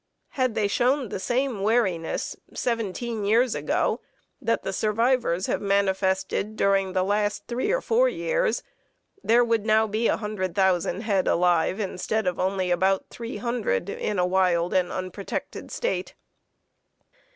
Had they shown the same wariness seventeen years ago that the survivors have manifested during the last three or four years, there would now be a hundred thousand head alive instead of only about three hundred in a wild and unprotected state.